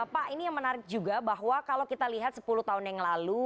pak ini yang menarik juga bahwa kalau kita lihat sepuluh tahun yang lalu